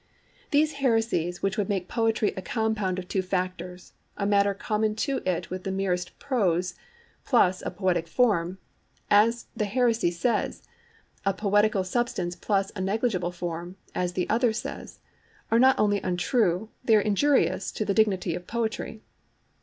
These heresies which would make poetry a compound of two factors—a matter common to it with the merest prose, plus a poetic form, as the one heresy says: a poetical substance plus a negligible form, as the other says—are not only untrue, they are injurious to the dignity of poetry.